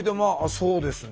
そうですね。